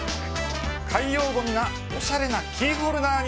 海洋ごみがおしゃれなキーホルダーに